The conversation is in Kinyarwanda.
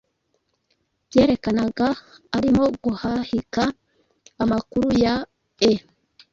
byerekanaga arimo guhakiha amakuru ya e,